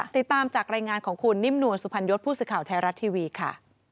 ติดตามจากรายงานของคุณนิ่มนวลสุพรรณยศผู้สื่อข่าวไทยรัฐทีวีค่ะ